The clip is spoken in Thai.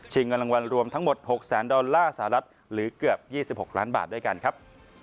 เงินรางวัลรวมทั้งหมด๖แสนดอลลาร์สหรัฐหรือเกือบ๒๖ล้านบาทด้วยกันครับ